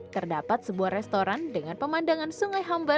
terdapat sebuah restoran dengan pemandangan sungai hambar